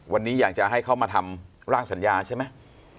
วันนี้อยากจะให้เขามาทำร่างสัญญาใช่ไหม